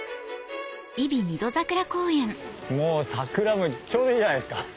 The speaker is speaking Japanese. もう桜もちょうどいいじゃないですか。